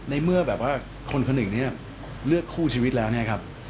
ในเมื่อแบบว่าคนคนหนึ่งเนี่ยเลือกคู่ชีวิตแล้วเนี่ยครับ